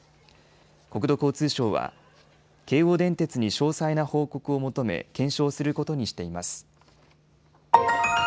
国土交通省は京王電鉄に詳細な報告を求め検証することにしています。